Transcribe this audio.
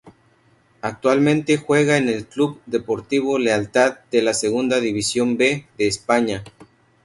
Actualmente juega en el Club Deportivo Lealtad de la Segunda División B de España.